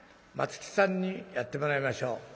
「松木さんにやってもらいましょう」。